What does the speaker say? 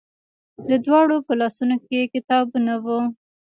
د دواړو په لاسونو کې کتابونه وو.